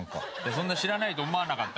そんな知らないと思わなかった。